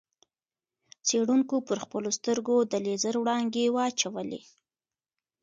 څېړونکو پر خپلو سترګو د لېزر وړانګې واچولې.